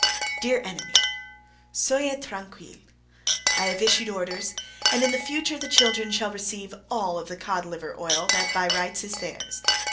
Dear Enemy: SOYEZ TRANQUILLE. I have issued orders, and in the future the children shall receive all of the cod liver oil that by rights is theirs.